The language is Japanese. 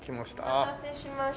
お待たせしました。